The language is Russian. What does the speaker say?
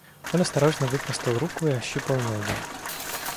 Он осторожно выпростал руку и ощупал ноги.